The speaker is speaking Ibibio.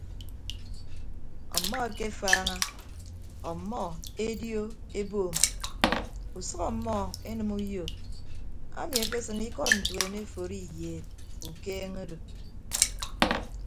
Ọmmọ akefaaña ọmmọ edio eboom usʌk ọmmọ enịme uyo ami ekesịn ikọd ntuen eforo iyeed ukeeñe odo.